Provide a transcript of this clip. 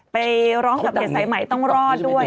ไปร้องกับเพจสายใหม่ต้องรอดด้วย